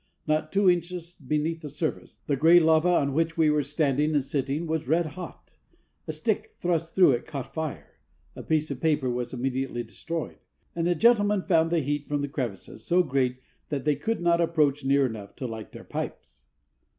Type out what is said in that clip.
Not two inches beneath the surface, the gray lava on which we were standing and sitting was red hot. A stick thrust through it caught fire, a piece of paper was immediately destroyed, and the gentlemen found the heat from the crevices so great that they could not approach near enough to light their pipes.